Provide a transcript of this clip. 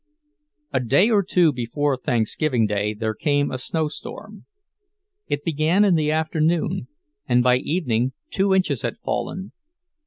A day or two before Thanksgiving Day there came a snowstorm. It began in the afternoon, and by evening two inches had fallen.